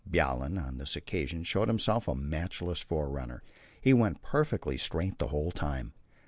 Bjaaland on this occasion showed himself a matchless forerunner; he went perfectly straight the whole time.